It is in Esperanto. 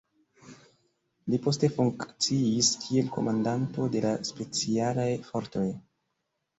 Li poste funkciis kiel komandanto de la specialaj fortoj.